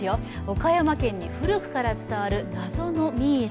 岡山県に古くから伝わる謎のミイラ。